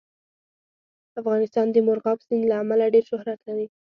افغانستان د مورغاب سیند له امله ډېر شهرت لري.